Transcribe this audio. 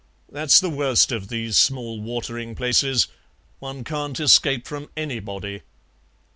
That's the worst of these small watering places; one can't escape from anybody."